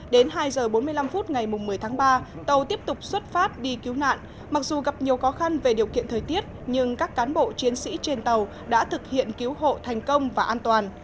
đến hai h bốn mươi năm phút ngày một mươi tháng ba tàu tiếp tục xuất phát đi cứu nạn mặc dù gặp nhiều khó khăn về điều kiện thời tiết nhưng các cán bộ chiến sĩ trên tàu đã thực hiện cứu hộ thành công và an toàn